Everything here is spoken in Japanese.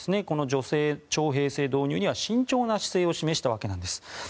この女性徴兵制導入には慎重な姿勢を示したわけなんです。